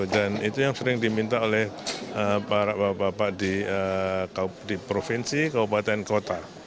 dan itu yang sering diminta oleh para bapak bapak di provinsi kabupaten kota